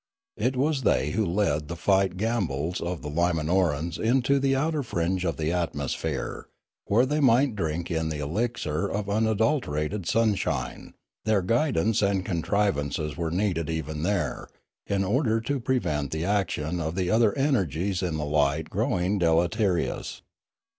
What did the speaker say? It was they who led the flight gambols of the Limanorans into the outer fringe of the atmosphere, where they might drink in the elixir of unadulterated sunshine; their guidance and contrivances were needed even there, in order to prevent the action of the other energies in the light growing deleterious.